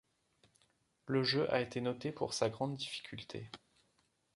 Le jeu a été noté pour sa grande difficulté.